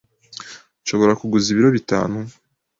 Nshobora kuguza ibiro bitanu?